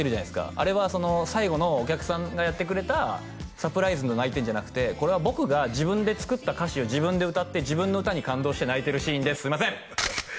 あれは最後のお客さんがやってくれたサプライズの泣いてんじゃなくてこれは僕が自分で作った歌詞を自分で歌って自分の歌に感動して泣いてるシーンですすいません！